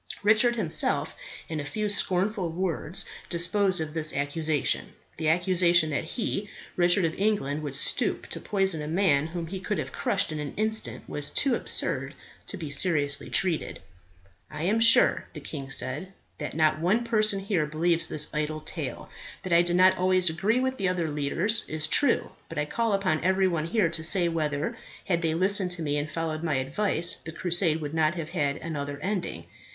Richard himself in a few scornful words disposed of this accusation. The accusation that he, Richard of England, would stoop to poison a man whom he could have crushed in an instant, was too absurd to be seriously treated. "I am sure," the king said, "that not one person here believes this idle tale. That I did not always agree with the other leaders is true; but I call upon every one here to say whether, had they listened to me and followed my advice, the crusade would not have had another ending.